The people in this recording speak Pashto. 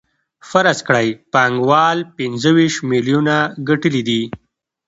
فرض کړئ پانګوال پنځه ویشت میلیونه ګټلي دي